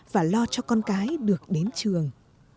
và lo cho con cái được đến trường